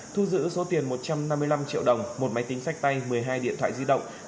thu giữ số tiền một trăm năm mươi năm triệu đồng một máy tính sách tay một mươi hai điện thoại di động